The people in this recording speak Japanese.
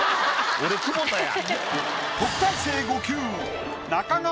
俺久保田や。